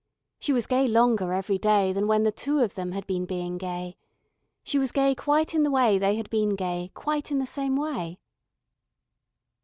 She was gay longer every day than when the two of them had been being gay. She was gay quite in the way they had been gay, quite in the same way.